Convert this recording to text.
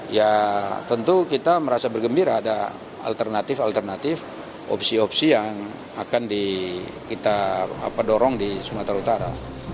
ya tentu kita merasa bergembira ada alternatif alternatif opsi opsi yang akan kita dorong di sumatera utara